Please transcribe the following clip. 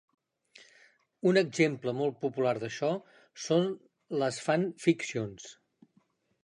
Un exemple molt popular d'això són les "fan fictions".